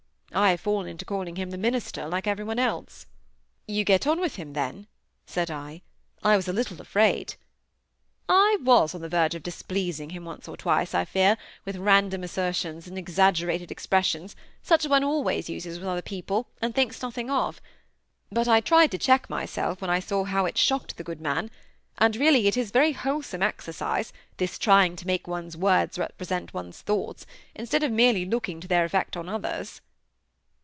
I have fallen into calling him 'the minister', like every one else." "You get on with him, then?" said I. "I was a little afraid." "I was on the verge of displeasing him once or twice, I fear, with random assertions and exaggerated expressions, such as one always uses with other people, and thinks nothing of; but I tried to check myself when I saw how it shocked the good man; and really it is very wholesome exercise, this trying to make one's words represent one's thoughts, instead of merely looking to their effect on others."